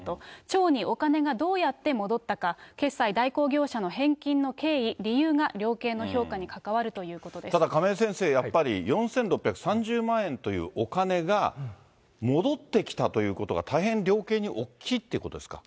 町にお金がどうやって戻ったか、決済代行業者の返金の経緯、理由が量刑の評価に関わるということただ亀井先生、やっぱり４６３０万円というお金が戻ってきたということが、大変、量刑に大きいということですか。